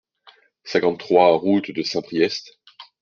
cinquante-trois route de Saint-Priest